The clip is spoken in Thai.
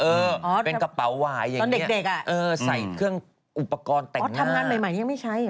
เออเป็นกระเป๋าหวายอย่างนี้เออใส่เครื่องอุปกรณ์แต่งหน้าอ๋อทำงานใหม่ยังไม่ใช่เหรอ